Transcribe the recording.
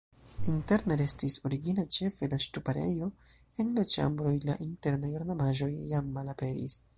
Interne restis origina ĉefe la ŝtuparejo, en la ĉambroj la internaj ornamaĵoj jam malaperis.